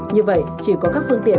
như vậy chỉ có các phương tiện